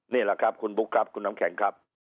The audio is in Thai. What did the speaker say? นี่แหละครับคุณบุ๊คครับคุณน้ำแข็งครับ